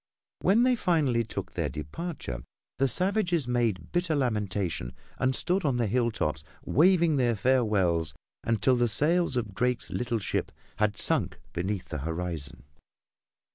When they finally took their departure the savages made bitter lamentation and stood on the hilltops waving their farewells until the sails of Drake's little ship had sunk beneath the horizon.